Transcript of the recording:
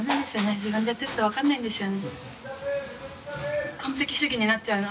自分でやってると分かんないんですよね。